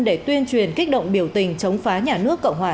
để tuyên truyền kích động biểu tình chống phá nhà nước cộng hòa